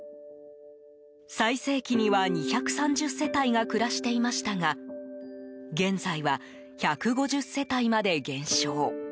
最盛期には２３０世帯が暮らしていましたが現在は、１５０世帯まで減少。